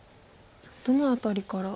どの辺りから。